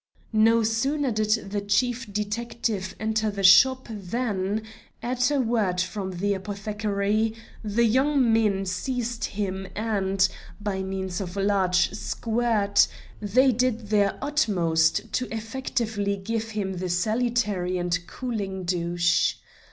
No sooner did the Chief Detective enter the shop than, at a word from the apothecary, the young men seized him and, by means of a large squirt, they did their utmost to effectively give him the salutary and cooling douche.